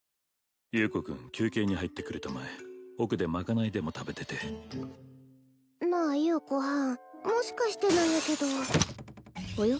優子君休憩に入ってくれたまえ奥でまかないでも食べててなあ優子はんもしかしてなんやけどおよ？